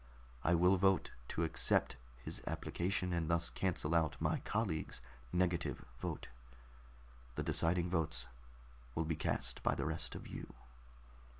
I will vote to accept his application, and thus cancel out my colleague's negative vote. The deciding votes will be cast by the rest of you."